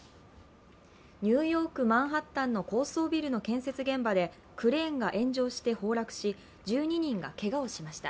ニューヨーク・マンハッタンの高層ビルの建設現場でクレーンが炎上して崩落し１２人がけがをしました。